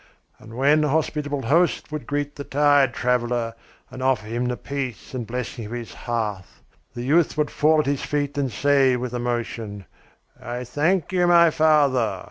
"And when a hospitable host would greet the tired traveller and offer him the peace and blessing of his hearth, the youth would fall at his feet and say with emotion: 'I thank you, my father!